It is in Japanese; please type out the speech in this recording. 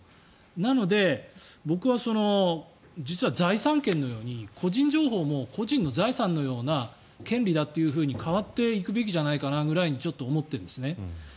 なので、僕は実は財産権のように個人情報も個人の財産のような権利だというふうに変わっていくべきじゃないかなぐらいに思っているんですね。